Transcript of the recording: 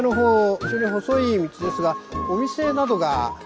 非常に細い道ですがお店などが。